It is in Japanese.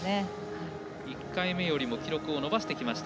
１回目よりも記録を伸ばしてきました。